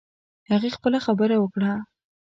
هغې خپله خبره وکړه